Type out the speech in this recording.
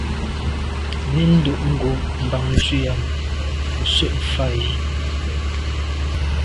Nèn ndo’ ngo’ bàn nzwi am nse’ mfà yi.